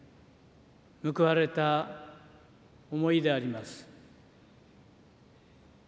報われた思いであります。